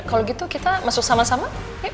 kalau gitu kita masuk sama sama